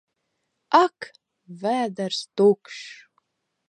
Ak! Vēders tukšs!